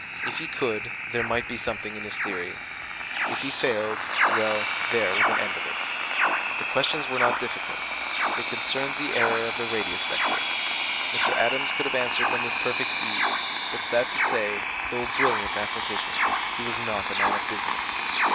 If he could, there might be something in his theory. If he failed well, there was an end of it. The questions were not difficult. They concerned the error of the radius vector. Mr. Adams could have answered them with perfect ease; but sad to say, though a brilliant mathematician, he was not a man of business.